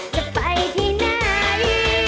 จะไปที่ไหน